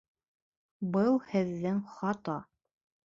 Был һеҙҙең хата!